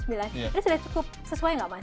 ini sudah cukup sesuai nggak mas